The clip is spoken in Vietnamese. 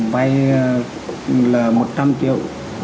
vay là một trăm linh triệu